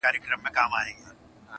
چی تل پایی باک یې نسته له ژوندونه،